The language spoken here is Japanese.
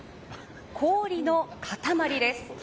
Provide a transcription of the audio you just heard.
氷の塊です。